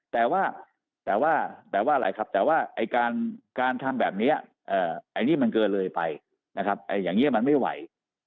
แต่ว่าแต่ว่าอะไรครับแต่ว่าการทำแบบนี้ไอ้นี่มันเกินเลยไปนะครับอย่างนี้มันไม่ไหว